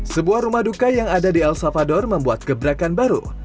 sebuah rumah duka yang ada di el salvador membuat gebrakan baru